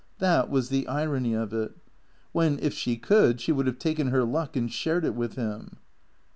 That was the irony of it; when, if she could, she would have taken her luck and shared it with him.